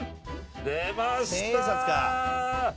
出ました！